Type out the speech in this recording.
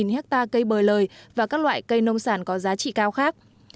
một mươi hectare cây bời lời và các loại cây nông sản có giá trị cao khác